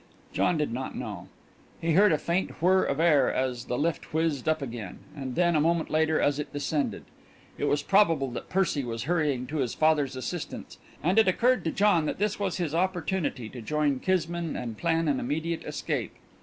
John did not know. He heard a faint whir of air as the lift whizzed up again, and then, a moment later, as it descended. It was probable that Percy was hurrying to his father's assistance, and it occurred to John that this was his opportunity to join Kismine and plan an immediate escape.